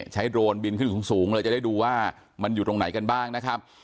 โดรนบินขึ้นสูงเลยจะได้ดูว่ามันอยู่ตรงไหนกันบ้างนะครับ